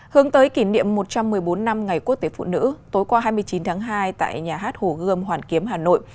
hướng tới kỷ niệm một trăm một mươi bốn năm ngày quốc tế phụ nữ tối qua hai mươi chín tháng hai tại nhà hát hồ gươm hoàn kiếm hà nội